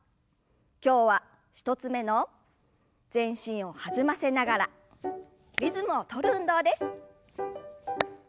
今日は１つ目の全身を弾ませながらリズムを取る運動です。